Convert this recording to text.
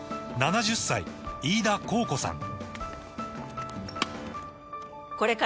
７０歳飯田考子さん